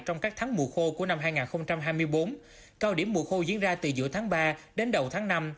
trong các tháng mùa khô của năm hai nghìn hai mươi bốn cao điểm mùa khô diễn ra từ giữa tháng ba đến đầu tháng năm